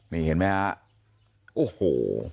นี่เห็นมั้ยคะโอ้โห